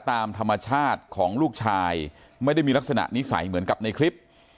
ตามธรรมชาติของลูกชายไม่ได้มีลักษณะนิสัยเหมือนกับในคลิป